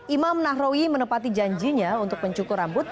imam nahrawi menepati janjinya untuk mencukur rambut